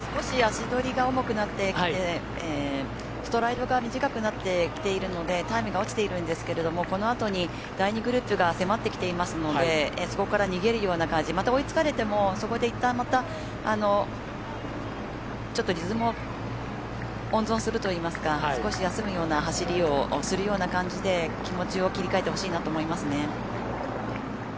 少し足取りが重くなってきてストライドが短くなってきているのでタイムが落ちてきてるんですけどこのあとに第２グループが迫ってきていますのでそこから逃げるような感じでまた、追いつかれてもそこでいったん、またちょっとリズムを温存するといいますか少し休むような走りをするような感じで気持ちを切り替えてほしいなと思いますね。